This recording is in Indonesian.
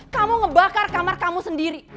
kamu ngebakar kamar kamu sendiri